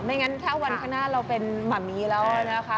งั้นถ้าวันข้างหน้าเราเป็นหมามีแล้วนะคะ